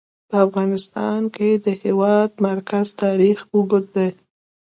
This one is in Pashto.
په افغانستان کې د د هېواد مرکز تاریخ اوږد دی.